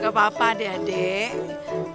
gak apa apa adik adik